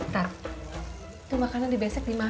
tad tuh makanan dibesek dimakan